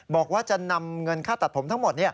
บอกว่าจะนำเงินค่าตัดผมทั้งหมด